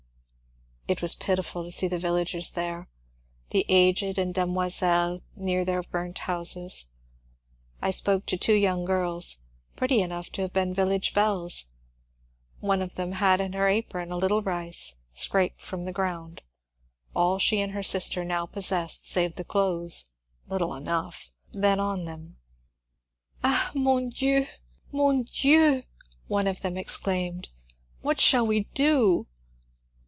It was pitiful to see the villagers there, the aged and demoiselles near their burnt houses. I spoke to two young girls, pretty enough to have been village belles. One of them had in her apron a lit tle rice, scraped from the ground, — all she and her sister now possessed save the clothes (little enough) then on them. Ah^ mon Dieu I men Dieu f " one of them exclaimed, what shall we do